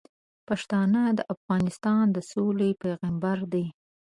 پښتانه د افغانستان د سولې پیغامبر دي.